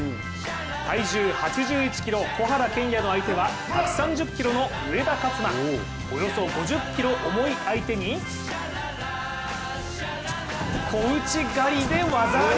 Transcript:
体重８１ｋｇ、小原拳哉の相手は１３０ｋｇの上田轄麻、およそ５０ｋｇ重い相手に小内刈りで技あり。